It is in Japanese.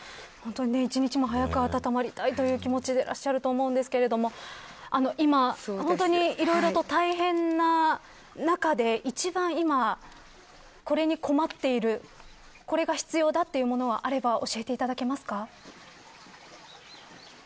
１日も早く温まりたい気持ちでいらっしゃると思いますが今、いろいろと大変な中で一番、これに困っているこれが必要だというものがあれば教えていただけますか。